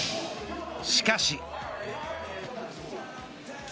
しかし。